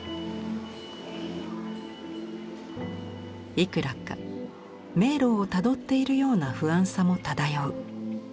「いくらか迷路を辿っているような不安さも漂う。